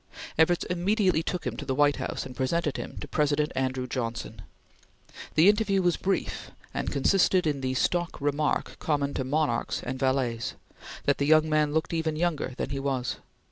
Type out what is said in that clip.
Evarts immediately took him to the White House and presented him to President Andrew Johnson. The interview was brief and consisted in the stock remark common to monarchs and valets, that the young man looked even younger than he was.